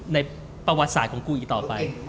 ในประวัติศาสตร์ของกูอีกต่อไป